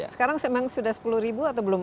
sekarang memang sudah sepuluh ribu atau belum